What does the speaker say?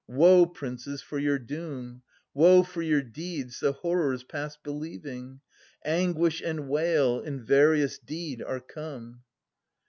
Woe, princes, for your doom, Woe for your deeds, the horrors past believing ! Anguish and wail in veriest deed are come.